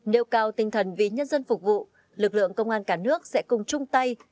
nêu cao tinh thần vì nhân dân phục vụ lực lượng công an cả nước sẽ cùng chung tay